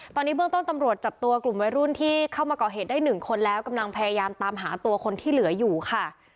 ตอนนี้เบื้องต้นตำรวจจับตัวกลุ่มวัยรุ่นที่เข้ามาก่อเหตุได้หนึ่งคนแล้วกำลังพยายามตามหาตัวคนที่เหลืออยู่ค่ะ